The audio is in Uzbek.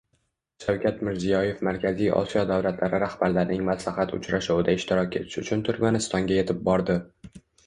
Shavkat Mirziyoyev Markaziy Osiyo davlatlari rahbarlarining Maslahat uchrashuvida ishtirok etish uchun Turkmanistonga yetib bordi